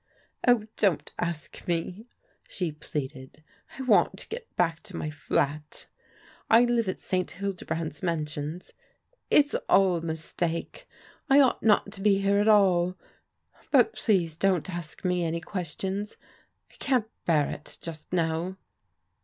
" Oh, don't ask me !" she pleaded. " I want to get back to my flat. I live at St. Hildebrand's Mansions. It's all a mistake. I ought not to be here at all. But please don't ask me any questions; I can't bear it just now."